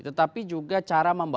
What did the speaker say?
tetapi juga cara membawanya